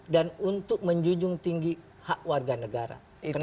dan untuk menjunjung tinggi hak warga negara